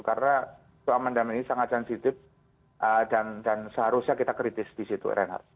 karena itu amandemen ini sangat transitif dan seharusnya kita kritis disitu reinhardt